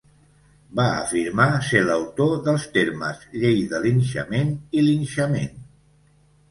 Va afirmar ser l'autor dels termes "llei de linxament" i "linxament".